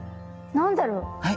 何だろう？